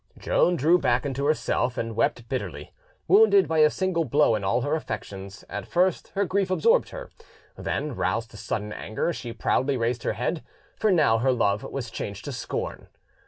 Joan drew back into herself, and wept bitterly. Wounded by a single blow in all her affections, at first her grief absorbed her; then, roused to sudden anger, she proudly raised her head, for now her love was changed to scorn.